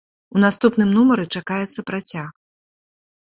У наступным нумары чакаецца працяг.